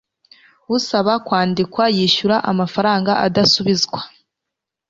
usaba kwandikwa yishyura amafaranga adasubizwa